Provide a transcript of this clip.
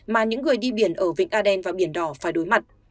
mà những người đi biển ở vịnh a đen và biển đỏ phải đối mặt